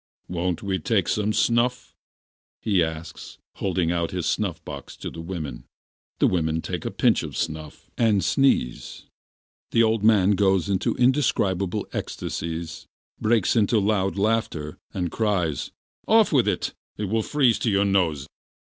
"Won't we take some snuff?" he asks, holding out his snuff box to the women. The women take a pinch of snuff, and sneeze. The old man goes into indescribable ecstasies, breaks into loud laughter, and cries: "Off with it, it will freeze to your nose!"